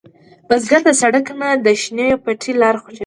بزګر د سړک نه، د شنې پټي لاره خوښوي